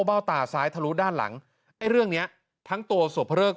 เบ้าตาซ้ายทะลุด้านหลังไอ้เรื่องเนี้ยทั้งตัวสุภเริก